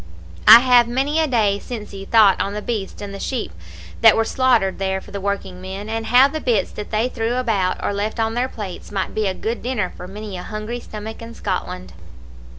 I have many a day sinsyne thought on the beasts and the sheep that were slaughtered there for the working men, and how the bits that they threw about or left on their plates might be a good dinner for many a hungry stomach in Scotland.